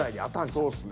そうっすね。